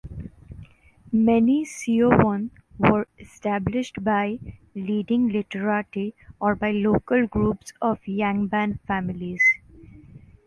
Many seowon were established by leading literati, or by local groups of yangban families.